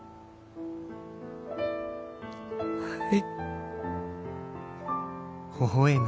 はい。